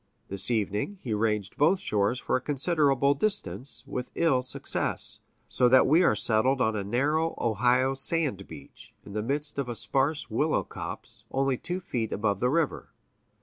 This evening, he ranged both shores for a considerable distance, with ill success, so that we are settled on a narrow Ohio sand beach, in the midst of a sparse willow copse, only two feet above the river.